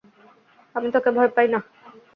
আমি তোকে ভয় পাই না।